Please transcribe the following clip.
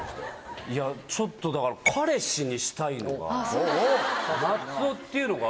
いやちょっとだから彼氏にしたいのが松尾っていうのが。